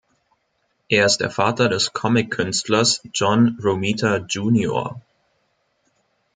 Er ist der Vater des Comic-Künstlers John Romita junior.